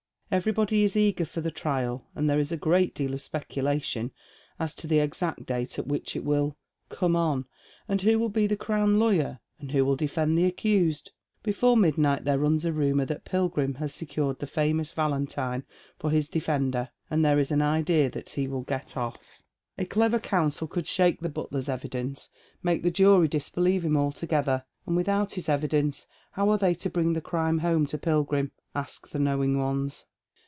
Everybody is eager for the trial, and there is a great deal of speculation as to the exact date at which it will " come on," and who will be the Crown lawyer, and who will defend the accused. Before midnight there runs a rumour that Pilgrim has secured the famous Vallentyne for his defender, and there is an idea that he will get oflE. " A clever counsel could shake the butler's evidence, make the jury disbelieve him altogether ; and without his evidence how are they to bring the crime home to Pilgrim?" ask the knowing ones.